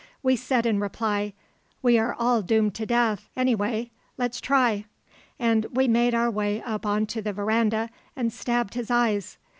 We said in reply, 'We are all doomed to death, anyway; let's try,' and we made our way up on to the verandah and stabbed his eyes.